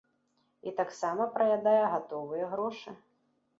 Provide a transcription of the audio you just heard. І таксама праядае гатовыя грошы.